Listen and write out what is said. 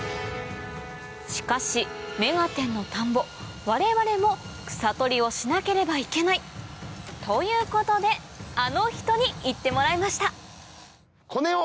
しかし『目がテン！』の田んぼ我々も草取りをしなければいけないということであの人に行ってもらいました